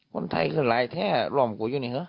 คนไทยคืออะไรแทร่หลอมโกยอยู่นี่เหรอ